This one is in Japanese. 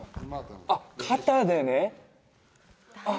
あっ肩でねあっ